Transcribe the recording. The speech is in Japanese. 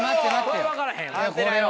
これは分からへん